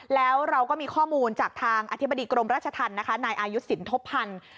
แล้วเราก็มีข้อมูลจากทางอธิบดีกรมราชธรรมนะคะนายอายุสินทบพันธ์